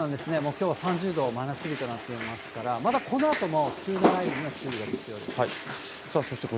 きょうはもう３０度、真夏日となっていますから、まだこのあとも急な雷雨には注意が必要です。